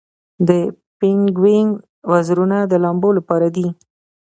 د پینګوین وزرونه د لامبو لپاره دي